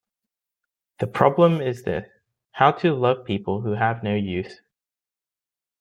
The problem is this: How to love people who have no use.